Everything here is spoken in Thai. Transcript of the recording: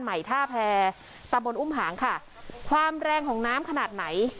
ใหม่ท่าแพรตำบลอุ้มหางค่ะความแรงของน้ำขนาดไหน